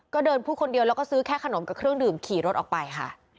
ก็เดินพูดคนเดียวแล้วก็ซื้อแค่ขนมกับเครื่องดื่มขี่รถออกไปค่ะ